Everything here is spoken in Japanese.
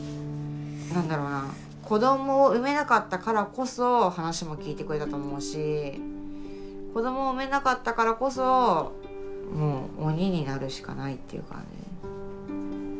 何だろうな子どもを産めなかったからこそ話も聞いてくれたと思うし子どもを産めなかったからこそ鬼になるしかないっていう感じ。